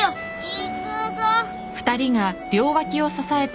行くぞ。